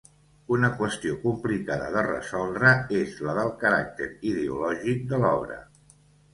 Una qüestió complicada de resoldre és la del caràcter ideològic de l'obra.